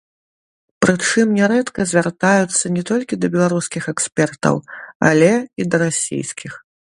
Прычым нярэдка звяртаюцца не толькі да беларускіх экспертаў, але і да расійскіх.